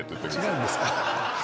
違うんですか。